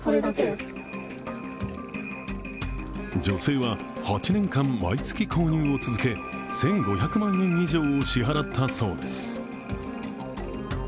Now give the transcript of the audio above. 女性は８年間、毎月購入を続け、１５００万円以上を支払ったそうです。